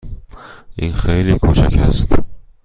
این خیلی کوچک است.